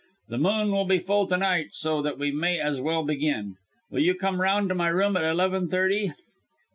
The moon will be full to night so that we may as well begin. Will you come round to my room at eleven thirty?"